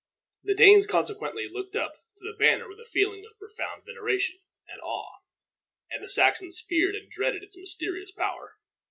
The Danes consequently looked up to this banner with a feeling of profound veneration and awe, and the Saxons feared and dreaded its mysterious power.